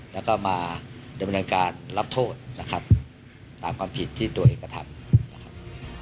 แล้วก็มาดำเนินการรับโทษนะครับตามความผิดที่ตัวเองกระทำนะครับ